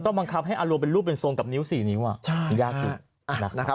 ต้องบังคับให้อารวินเป็นรูปเป็นทรงกับนิ้วสี่นิ้วยากอยู่